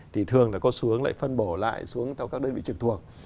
thì thường là có xuống lại phân bổ lại xuống theo các đơn vị trực thuộc